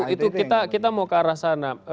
itu kita mau ke arah sana